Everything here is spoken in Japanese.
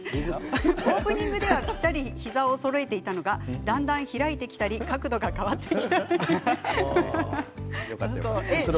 オープニングではぴったりとそろえていたのがだんだん開いてきたり角度が変わってきていますよかった、よかった。